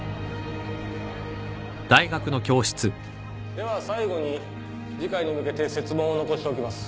では最後に次回に向けて設問を残しておきます。